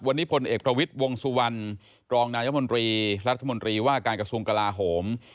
วันนี้พลเอกประวิทย์วงสุวรรณรองนายมนตรีรัฐมนตรีว่าการกระทรวงกลาโหม